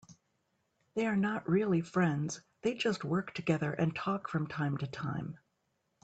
They are not really friends, they just work together and talk from time to time.